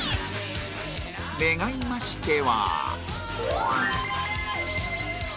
願いましては